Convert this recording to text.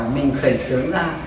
mình khởi sướng ra